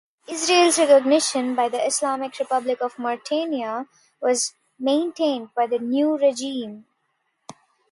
Israel's recognition by the Islamic Republic of Mauritania was maintained by the new regime.